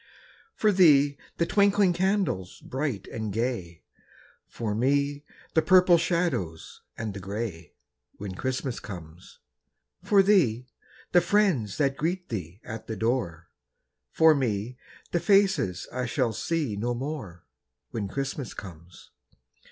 For thee, the twinkling candles bright and gay, For me, the purple shadows and the grey, When Christmas comes. For thee, the friends that greet thee at the door, For me, the faces I shall see no more, When Christmas comes.